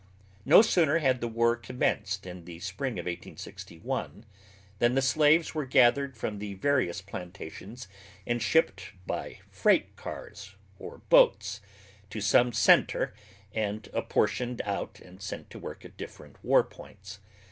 No sooner had the war commenced in the spring of 1861, than the slaves were gathered from the various plantations, and shipped by freight cars, or boats, to some centre, and apportioned out and sent to work at different war points.